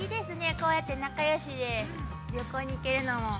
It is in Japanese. こうやって仲よしで旅行に行けるのも。